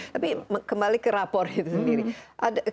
tapi kembali ke rapor itu sendiri